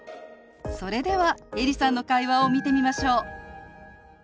それではエリさんの会話を見てみましょう。